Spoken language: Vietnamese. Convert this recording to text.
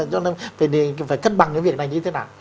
cho nên phải cân bằng cái việc này như thế nào